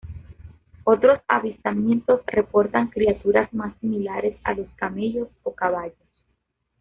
Otros avistamientos reportan criaturas más similares a los camellos o caballos.